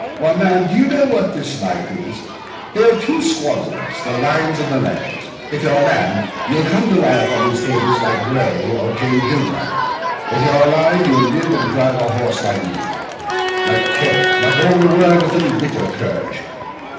Why, man, do you know what this life is? There are two squads of us—the lions and the lambs. If you're a lamb, you'll come to lie upon these tables like Gray or Jane Galbraith; if you're a lion, you'll live and drive a horse like me, like K—, like all the world with any wit or courage.